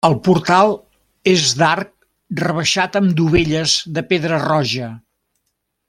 El portal és d'arc rebaixat amb dovelles de pedra roja.